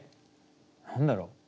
何だろう？